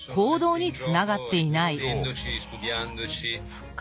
そっか。